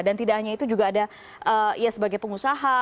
dan tidak hanya itu juga ada sebagai pengusaha